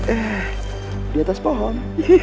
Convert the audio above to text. eh di atas pohon